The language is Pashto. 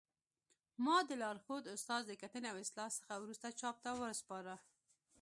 ما د لارښود استاد د کتنې او اصلاح څخه وروسته چاپ ته وسپاره